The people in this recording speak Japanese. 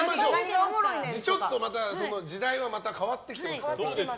ちょっと時代はまた変わってきてますから。